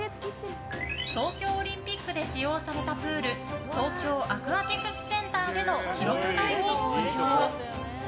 東京オリンピックで使用されたプール東京アクアティクスセンターでの記録会に出場。